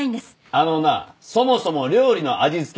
あのなそもそも料理の味付けは。